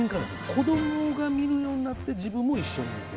こどもが見るようになって自分も一緒に見て。